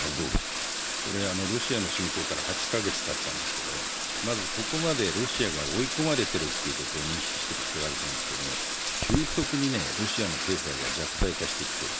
ロシアの侵攻から８か月たったんですけどまずここまでロシアが追い込まれているということを認識しておく必要がありますが急速にロシアの経済が弱体化してきている。